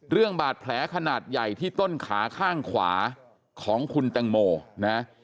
เรื่องบาดแผลขนาดใหญ่ที่ต้นขาข้างขวาของคุณแตงโมนะ